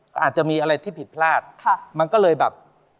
ก็อาจจะมีอะไรที่ผิดพลาดมันก็เลยแบบ